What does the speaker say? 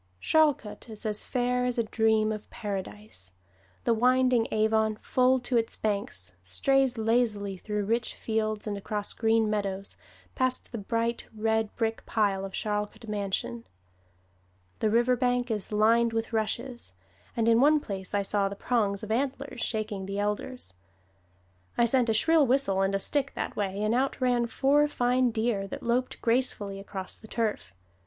Charlcote is as fair as a dream of Paradise. The winding Avon, full to its banks, strays lazily through rich fields and across green meadows, past the bright red brick pile of Charlcote Mansion. The river bank is lined with rushes, and in one place I saw the prongs of antlers shaking the elders. I sent a shrill whistle and a stick that way, and out ran four fine deer that loped gracefully across the turf.